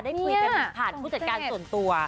ได้คุยกันผ่านผู้จัดการส่วนตัว